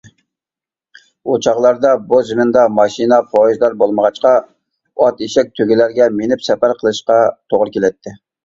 ئۇ چاغلاردا بۇ زېمىندا ماشىنا، پويىزلار بولمىغاچقا، ئات، ئېشەك، تۆگىلەرگە مىنىپ سەپەر قىلىشقا توغرا كېلەتتى.